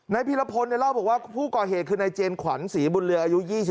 น้าพีรพลเนี่ยเล่าบอกว่าภูเกาะเหตุคือในเจรขวัญศรีบุญเรืออายุ๒๒